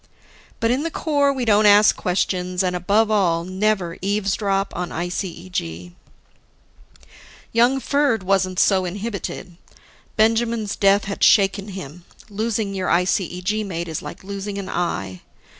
But in the Corps, we don't ask questions and, above all, never eavesdrop on ICEG. Young Ferd wasn't so inhibited. Benjamin's death had shaken him losing your ICEG mate is like losing an eye.